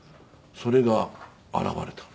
それが現れたの。